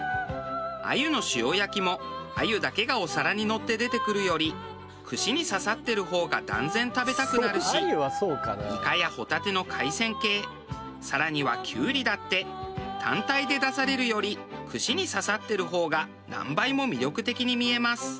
鮎の塩焼きも鮎だけがお皿にのって出てくるより串に刺さってる方が断然食べたくなるしイカやホタテの海鮮系更にはきゅうりだって単体で出されるより串に刺さってる方が何倍も魅力的に見えます。